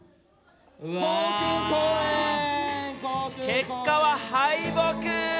結果は敗北。